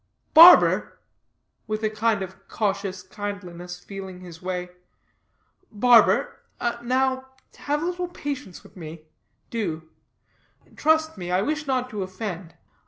"Barber," with a kind of cautious kindliness, feeling his way, "barber, now have a little patience with me; do; trust me, I wish not to offend.